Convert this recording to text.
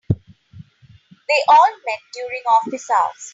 They all met during office hours.